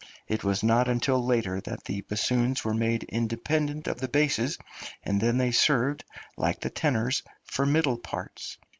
It was not until later that the bassoons were made independent of the basses, and then they served, like the tenors, for middle parts.